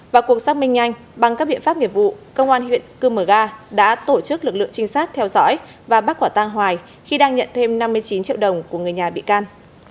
vào cuộc xác minh nhanh bằng các biện pháp nghiệp vụ công an huyện cư mờ ga đã tổ chức lực lượng trinh sát theo dõi và bắt quả tang hoài khi đang nhận thêm năm mươi chín triệu đồng của người nhà bị can